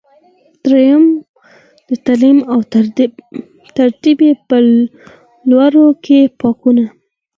درېیم: د تعلیم او تربیې په لوړولو کې پانګونه.